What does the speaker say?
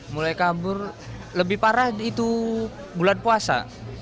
mulai kabur lebih parah itu bulan puasa